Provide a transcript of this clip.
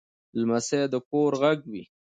لمسی د کور غږ وي.